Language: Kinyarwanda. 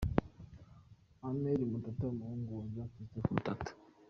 Armel Matata; umuhungu wa Jean Christophe Matata.